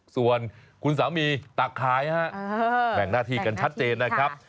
ส่วนคุณสามีตักขายฮะแบ่งหน้าที่กันชัดเจนนะครับ